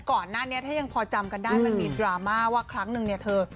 ก่อนหน้านี้ถ้ายังพอจำกันได้มันมีดราม่าว่าครั้งนึงเนี่ยเธอ